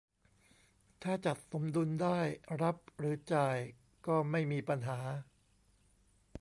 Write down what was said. ถ้าจัดสมดุลได้รับหรือจ่ายก็ไม่มีปัญหา